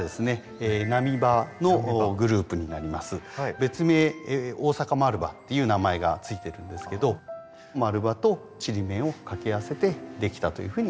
別名大阪丸葉っていう名前が付いてるんですけど丸葉とちりめんを掛け合わせてできたというふうにいわれてます。